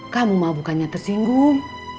kamu mah bukannya tersinggung